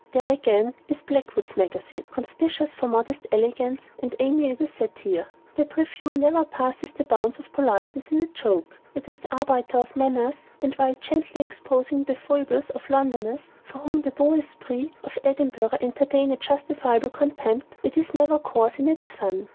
There, again, is BLACKWOOD'S MAGAZINE conspicuous for modest elegance and amiable satire; that review never passes the bounds of politeness in a joke. It is the arbiter of manners; and, while gently exposing the foibles of Londoners (for whom the BEAUX ESPRITS of Edinburgh entertain a justifiable contempt), it is never coarse in its fun.